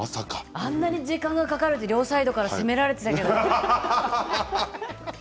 あんなに時間がかかると両サイドから責められていたけれど。